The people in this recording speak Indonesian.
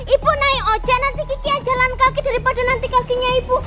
ibu naik ojek nanti kiki aja jalan kaki daripada nanti kakinya ibu